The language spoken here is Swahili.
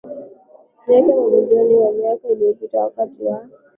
yake Mamilioni ya miaka iliyopita wakati wa